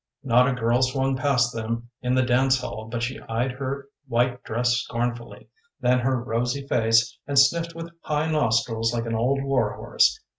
Not a girl swung past them in the dance but she eyed her white dress scornfully, then her rosy face, and sniffed with high nostrils like an old war horse.